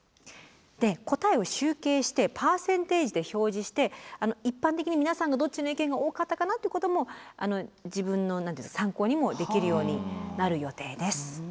で答えを集計してパーセンテージで表示して一般的に皆さんがどっちの意見が多かったかなっていうことも自分の参考にもできるようになる予定です。